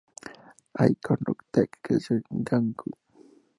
Im Kwon-taek creció en Gwangju.